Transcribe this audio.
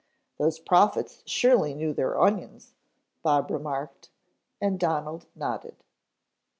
"Those prophets surely knew their onions," Bob remarked, and Donald nodded.